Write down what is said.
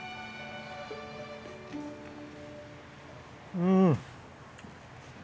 うん。